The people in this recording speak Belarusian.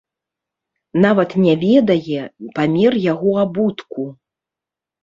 Нават не ведае памер яго абутку.